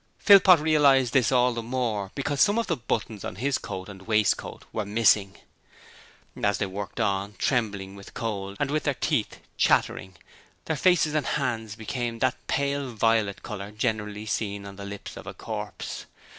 Philpot realized this all the more because some of the buttons on his coat and waistcoat were missing. As they worked on, trembling with cold, and with their teeth chattering, their faces and hands became of that pale violet colour generally seen on the lips of a corpse.